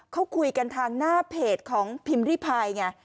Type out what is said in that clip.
เขาคุยกันทางหน้าเพจของพิมพ์ริพายไง